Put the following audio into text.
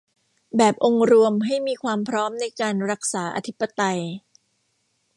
แบบองค์รวมให้มีความพร้อมในการรักษาอธิปไตย